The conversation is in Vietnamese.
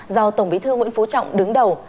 do tổng bí thư nguyễn phú trọng đứng đầu